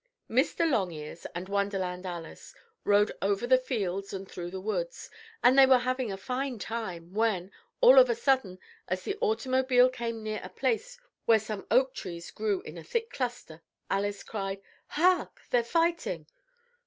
Mr. Longears and Wonderland Alice rode over the fields and through the woods, and they were having a fine time when, all of a sudden, as the automobile came near a place where some oak trees grew in a thick cluster Alice cried: "Hark! They're fighting!"